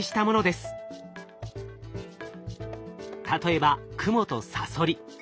例えばクモとサソリ。